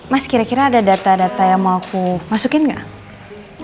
mas kira kira ada data data yang mau aku masukin nggak